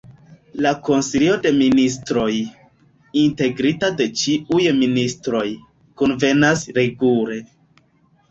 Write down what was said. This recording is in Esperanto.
La Konsilio de Ministroj, integrita de ĉiuj ministroj, kunvenas regule.